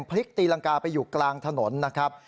พลิกตีรังกาไปอยู่กลางถนนนะครับ